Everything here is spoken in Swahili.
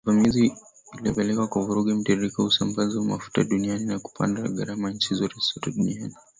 Uvamizi iliyopelekea kuvuruga mtiririko wa usambazaji mafuta duniani na kupanda kwa gharama inchi sote duniani